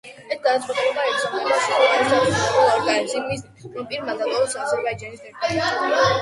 ეს გადაწყვეტილება ეგზავნება შესაბამის აღმასრულებელ ორგანოს იმ მიზნით, რომ პირმა დატოვოს აზერბაიჯანის ტერიტორია.